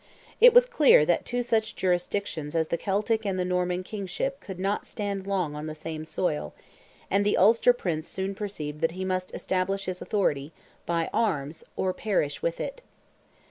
It was clear that two such jurisdictions as the Celtic and the Norman kingship could not stand long on the same soil, and the Ulster Prince soon perceived that he must establish his authority, by arms, or perish with it.